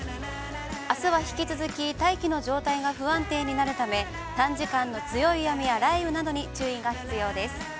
あすは引き続き大気の状態が不安定になるため短時間の強い雨や雷雨などに注意が必要です。